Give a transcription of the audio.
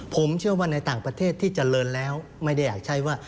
ผมเชื่อว่าในต่างประเทศที่เจริญแล้วไม่ได้อยากใช้ว่า